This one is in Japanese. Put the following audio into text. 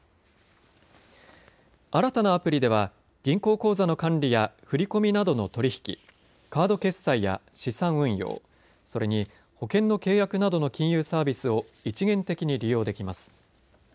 新たなアプリでは銀行口座の管理や振り込みなどの取り引き、カード決済や資産運用、それに保険の契約などの金融サービスを一元的に利用できます。